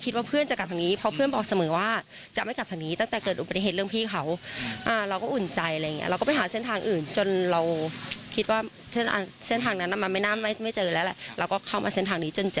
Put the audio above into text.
เส้นทางนั้นน้ำมายน้ำงานไม่เจออะแหละเราก็เข้ามาเส้นทางนี้จนเจอ